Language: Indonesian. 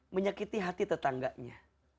menyakiti hati tetangganya